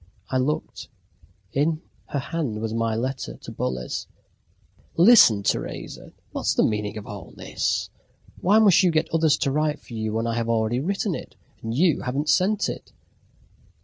I looked. In her hand was my letter to Boles. Phew! "Listen, Teresa! What is the meaning of all this? Why must you get others to write for you when I have already written it, and you haven't sent it?"